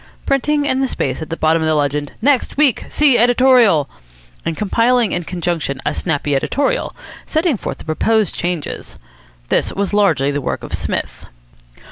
printing in the space at the bottom the legend, "Next Week! See Editorial!" and compiling in conjunction a snappy editorial, setting forth the proposed changes. This was largely the work of Psmith.